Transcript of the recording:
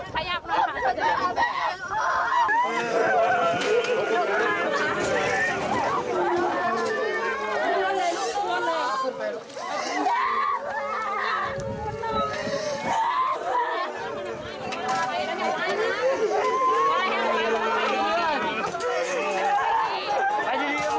ขยับหน่อยค่ะ